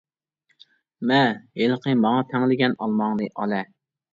مە، ھېلىقى ماڭا تەڭلىگەن ئالماڭنى ئالە.